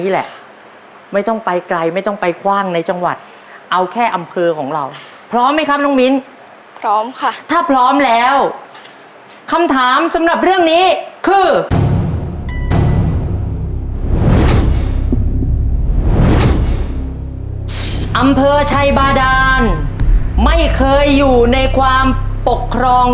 หลังรถเดี๋ยวลุงถ้าฝั่งนี้จะได้ได้ยิน